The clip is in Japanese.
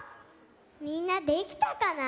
みんなできたかな？